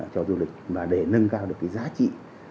cho du lịch và để nâng cao được cái giá trị